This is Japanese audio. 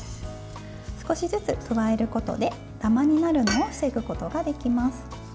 少しずつ加えることでダマになるのを防ぐことができます。